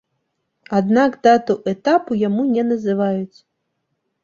Аднак дату этапу яму не называюць.